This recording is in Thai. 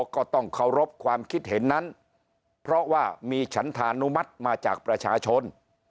ก็ต้องเคารพความคิดเห็นนั้นเพราะว่ามีฉันธานุมัติมาจากประชาชน